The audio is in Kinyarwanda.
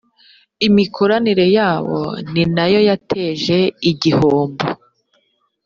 imikoranire yabo ninayo yateje igihombo.